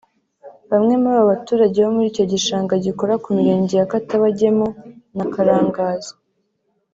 Bamwe muri abo baturage bo muri icyo gishanga gikora ku mirenge ya Katabagemu na Karangazi